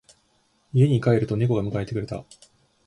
家に帰ると猫が迎えてくれた。